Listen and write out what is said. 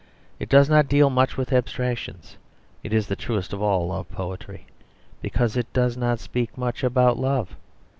It does not deal much with abstractions; it is the truest of all love poetry, because it does not speak much about love.